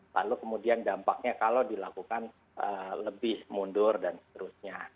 lalu kemudian dampaknya kalau dilakukan lebih mundur dan seterusnya